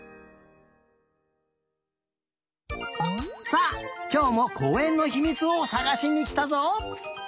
さあきょうもこうえんのひみつをさがしにきたぞ。